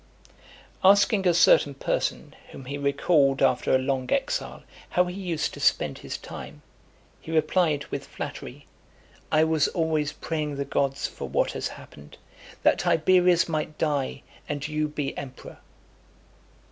XXVIII. Asking a certain person, whom he recalled after a long exile, how he used to spend his time, he replied, with flattery, "I was always praying the gods for what has happened, that Tiberius might die, and you be emperor."